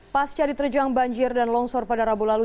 pas jadi terjang banjir dan longsor pada rabu lalu